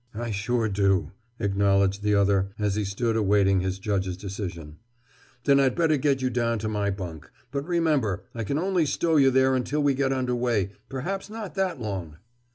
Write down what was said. "I sure do," acknowledged the other as he stood awaiting his judge's decision. "Then I'd better get you down to my bunk. But remember, I can only stow you there until we get under way—perhaps not that long!"